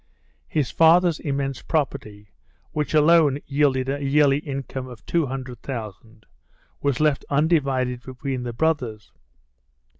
His father's immense property, which alone yielded a yearly income of two hundred thousand, was left undivided between the brothers.